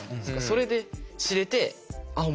それで知れてあっ